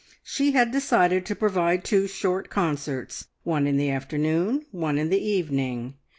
She had decided to provide two short concerts, one in the afternoon, one in the evening.